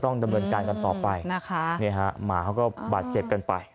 ที่ศพครูโคศ